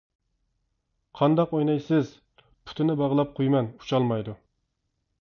-قانداق ئوينايسىز؟ -پۇتىنى باغلاپ قويىمەن ئۇچالمايدۇ!